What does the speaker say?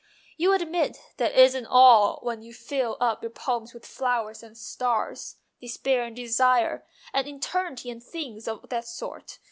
" You admit that it isn't all when you fill up your poems with flowers and stars, despair and desire, and eternity and things of that sort.